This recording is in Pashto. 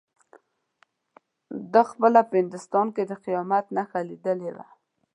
ده خپله په هندوستان کې د قیامت نښانه لیدلې وه.